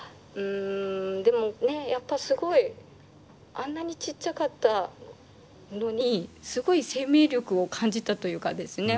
でもねやっぱすごいあんなにちっちゃかったのにすごい生命力を感じたというかですね。